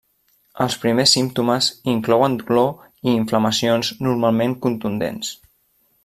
Els primers símptomes inclouen dolor i inflamacions normalment contundents.